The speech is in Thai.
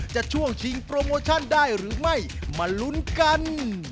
ช่วงชิงโปรโมชั่นได้หรือไม่มาลุ้นกัน